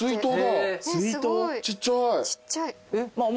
ちっちゃい。